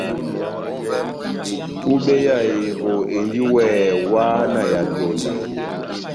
Túbɛ ya ehevo endi weeeh wáhá na ya vyonda.